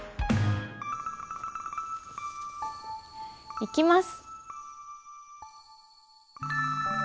いきます。